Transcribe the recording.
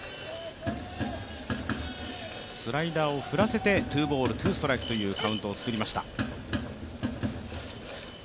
スライダーを振らせて２ボール、２ストライクというカウントを作りました。